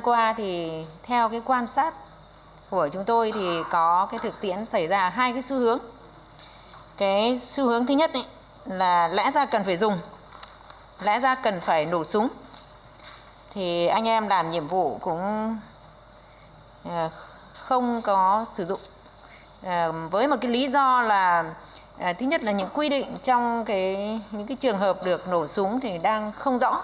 quy định trong những trường hợp được nổ súng thì đang không rõ